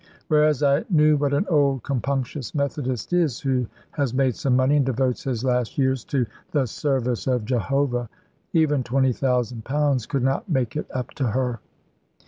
Whereas I knew what an old compunctious Methodist is, who has made some money, and devotes his last years to "the service of Jehovah." Even £20,000 could not make it up to her.